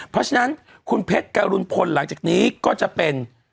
เพราะฉะนั้นคุณเพชรกรุณพลหลังจากนี้ก็จะเป็น